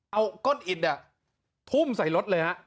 เอาก้อนอิทธิ์ทุ่มใส่รถเลยครับ